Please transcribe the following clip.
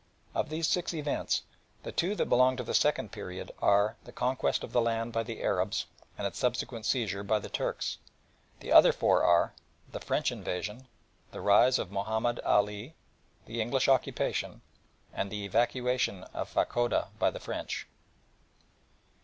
Of these six events the two that belong to the second period are, the conquest of the land by the Arabs and its subsequent seizure by the Turks. The other four are, the French invasion, the rise of Mahomed Ali, the English occupation and the evacuation of Fachoda by the French.